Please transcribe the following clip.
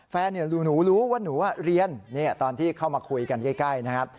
แฟนหนูรู้ว่าหนูเรียนตอนที่เข้ามาคุยกันใกล้นะครับ